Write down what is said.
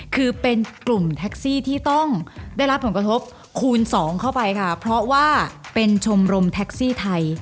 คือเป็นกลุ่มแท็กซี่ที่ต้องได้รับผลกระทบคูณสองเข้าไปค่ะเพราะว่าเป็นชมรมแท็กซี่ไทย